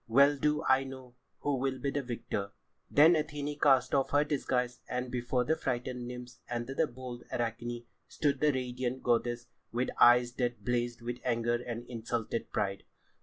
Well do I know who will be the victor." Then Athené cast off her disguise, and before the frightened nymphs and the bold Arachne stood the radiant goddess with eyes that blazed with anger and insulted pride.